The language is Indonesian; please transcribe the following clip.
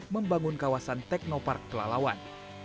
membangun kawasan teknopark pelalawan